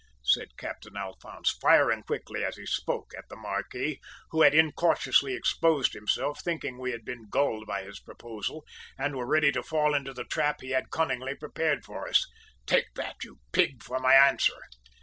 said Captain Alphonse, firing quickly as he spoke at the `marquis,' who had incautiously exposed himself, thinking we had been gulled by his proposal and were ready to fall into the trap he had cunningly prepared for us. `Take that, you pig, for my answer!'